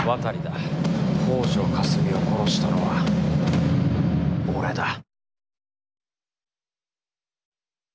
北條かすみを殺したのは俺だ。